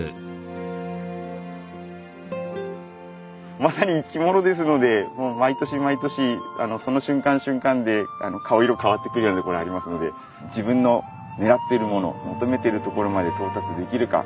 まさに生き物ですのでもう毎年毎年その瞬間瞬間で顔色変わってくるようなところありますので自分のねらってるもの求めてるところまで到達できるか